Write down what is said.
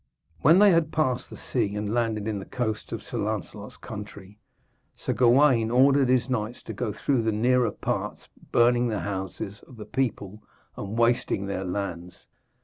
When they had passed the sea and landed in the coasts of Sir Lancelot's country, Sir Gawaine ordered his knights to go through the nearer parts, burning the houses of the people and wasting their lands.